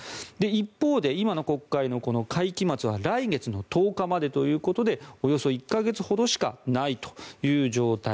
一方で今の国会の会期末は来月の１０日までということでおよそ１か月ほどしかないという状態。